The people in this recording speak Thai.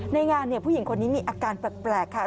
ในงานผู้หญิงคนนี้มีอาการแปลกค่ะ